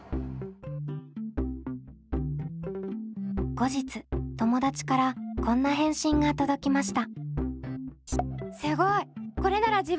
後日友達からこんな返信が届きました。